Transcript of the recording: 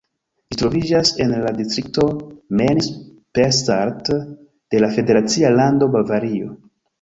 Ĝi troviĝas en la distrikto Main-Spessart de la federacia lando Bavario.